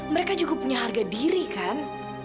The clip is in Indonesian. mereka cukup punya harga diri kan